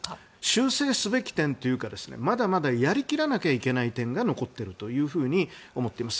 修正すべき点というかまだまだ、やりきらなきゃいけない点が残っているというふうに思っています。